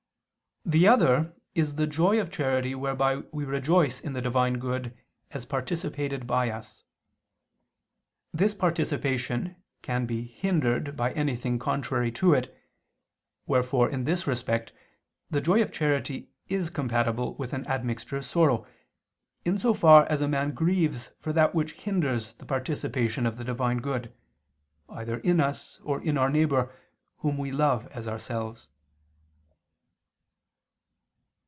The other is the joy of charity whereby we rejoice in the Divine good as participated by us. This participation can be hindered by anything contrary to it, wherefore, in this respect, the joy of charity is compatible with an admixture of sorrow, in so far as a man grieves for that which hinders the participation of the Divine good, either in us or in our neighbor, whom we love as ourselves.